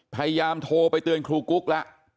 พยายามโทรไปเตือนครูกุ๊กแล้ว